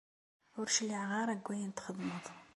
Ur cliɛeɣ ara deg ayen txeddmeḍ.